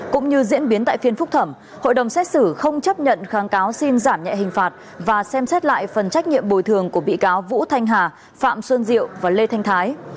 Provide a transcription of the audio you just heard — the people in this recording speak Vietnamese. cũng như diễn biến tại phiên phúc thẩm hội đồng xét xử không chấp nhận kháng cáo xin giảm nhẹ hình phạt và xem xét lại phần trách nhiệm bồi thường của bị cáo vũ thanh hà phạm xuân diệu và lê thanh thái